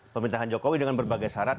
pemerintahan jokowi dengan berbagai syarat